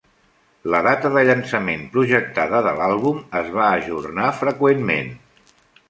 La data de llançament projectada de l'àlbum es va ajornar freqüentment.